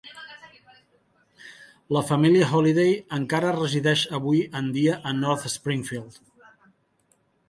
La família Holliday encara resideix avui en dia a North Springfield.